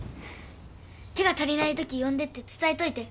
手が足りないとき呼んでって伝えといて。